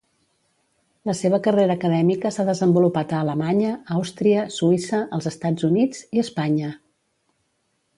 La seva carrera acadèmica s’ha desenvolupat a Alemanya, Àustria, Suïssa, els Estats Units i Espanya.